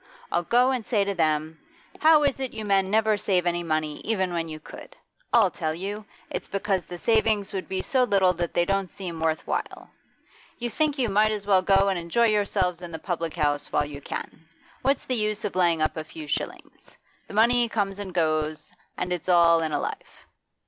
I'll go and say to them, "How is it you men never save any money even when you could? I'll tell you: it's because the savings would be so little that they don't seem worth while; you think you might as well go and enjoy yourselves in the public house while you can. What's the use of laying up a few shillings? The money comes and goes, and it's all in a life."